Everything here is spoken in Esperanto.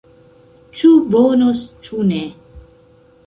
Ĉu bonos, ĉu ne.